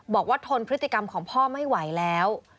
ทนพฤติกรรมของพ่อไม่ไหวแล้ว